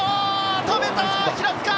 止めた平塚！